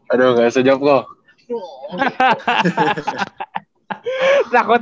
aduh gak bisa jawab kok